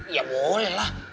iya boleh lah